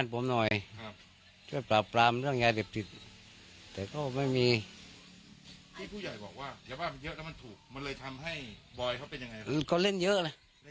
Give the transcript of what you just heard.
ก็เล่นเยอะแหละเล่นเยอะแล้วเงินท้องเขา